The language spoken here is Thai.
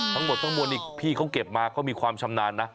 ทั้งหมดทั้งมวลนี่พี่เขาเก็บมาเขามีความชำนาญนะ